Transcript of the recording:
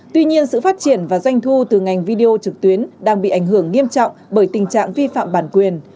tuy nhiên sự phát triển và doanh thu từ ngành video trực tuyến đang bị ảnh hưởng nghiêm trọng bởi tình trạng vi phạm bản quyền